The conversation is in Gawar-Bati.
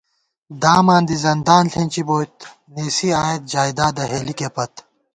داماندی زندان ݪېنچِی بوئیت ، نېسِی آئیت جائیدادہ ہېلِکےپت